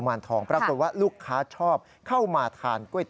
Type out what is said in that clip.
ให้ตั้งเป็นชื่อสีกุมารละครับ